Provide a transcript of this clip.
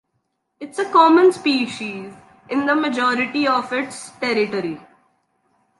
It is a common species in the majority of its territory.